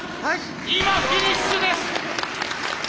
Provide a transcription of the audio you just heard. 今フィニッシュです！